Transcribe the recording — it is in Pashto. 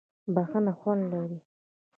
بښنه خوند لري.